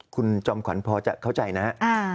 คุณจอมขวัญพอจะเข้าใจนะครับ